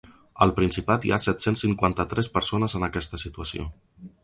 Al Principat hi ha set-cents cinquanta-tres persones en aquesta situació.